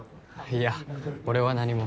いや俺は何も。